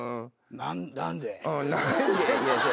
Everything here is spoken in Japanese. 何で？